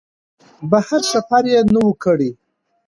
بهر سفر یې نه و کړی.